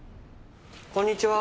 こんにちは。